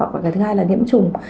và cái thứ hai là nhiễm chủng